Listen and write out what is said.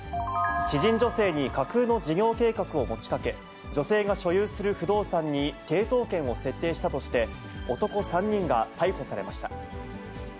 知人女性に架空の事業計画を持ちかけ、女性が所有する不動産に抵当権を設定したとして、男３人が逮捕されました。